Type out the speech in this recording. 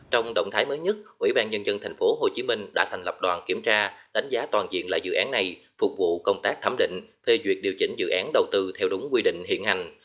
trong động thái mới nhất ủy ban nhân dân tp hcm đã thành lập đoàn kiểm tra đánh giá toàn diện lại dự án này phục vụ công tác thẩm định phê duyệt điều chỉnh dự án đầu tư theo đúng quy định hiện hành